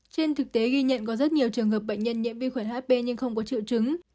trên thực tế ghi nhận có rất nhiều trường hợp bệnh nhân nhiễm vi khuẩn hp nhưng không có triệu chứng